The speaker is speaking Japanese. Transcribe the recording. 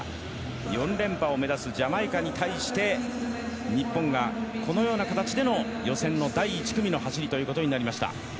４連覇を目指すジャマイカに対して日本がこのような形での予選の第１組の走りとなりました。